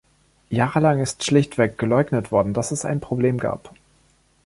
Jahrelang ist schlichtweg geleugnet worden, dass es ein Problem gab.